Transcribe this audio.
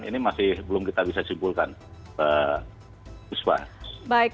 ini masih belum kita bisa simpulkan